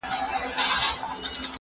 دا پلان له هغه ګټور دی،